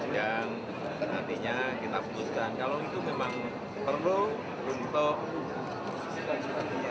dan nantinya kita putuskan kalau itu memang perlu untuk mengetahui standar standar